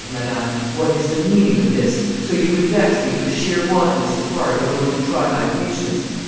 madame, what is the meaning of this? So you would vex me for sheer wantonness of heart in order to try my patience?